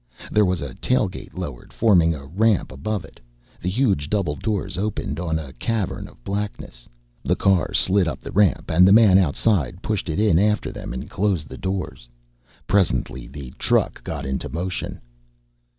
There was a tailgate lowered, forming a ramp; above it, the huge double doors opened on a cavern of blackness. The car slid up the ramp, and the man outside pushed it in after them and closed the doors. Presently the truck got into motion.